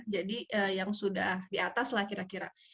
jadi yang sudah di atas lah kira kira